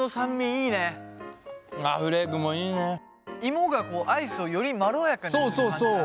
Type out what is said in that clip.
いもがアイスをよりまろやかにしてる感じだね。